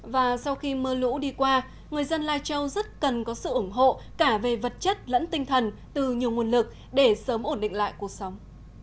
và sau khi mưa lũ đi qua người dân lai châu rất cần có sự ủng hộ cả về vật chất lẫn tinh thần từ nhiều nguồn lực để sớm ổn định lại cuộc sống